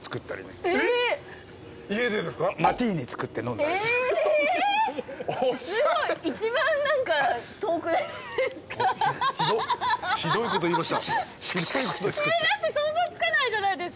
だって想像つかないじゃないですか。